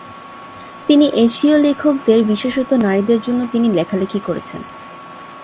তিনি এশীয় লেখকদের, বিশেষত নারীদের জন্য তিনি লেখালেখি করেছেন।